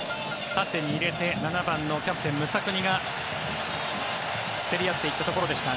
縦に入れて７番のキャプテンのムサクニが競り合っていったところでした。